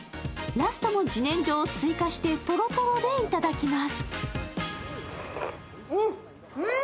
ラストもじねんじょを追加してとろとろでいただきます。